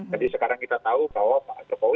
jadi sekarang kita tahu bahwa pak jokowi